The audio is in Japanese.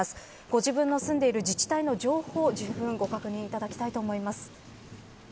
ご自分の住んでいる自治体の情報を、じゅうぶんご確認いただきたいと思います。